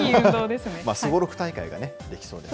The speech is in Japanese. すごろく大会ができそうです